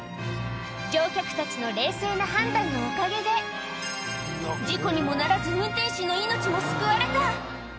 乗客たちの冷静な判断のおかげで、事故にもならず、運転手の命も救われた。